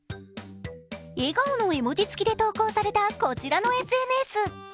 笑顔の絵文字つきで投稿されたこちらのＳＮＳ。